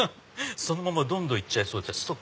そのままどんどん行っちゃいそうで。